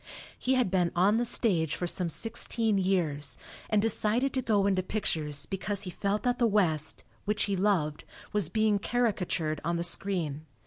He had been on the stage for some sixteen years, and decided to go into pictures because he felt that the West, which he loved, was being caricatured on the screen.